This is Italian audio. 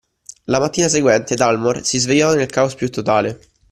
La mattina seguente Dalmor si svegliò nel caos più totale.